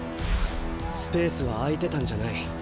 スペースは空いてたんじゃない。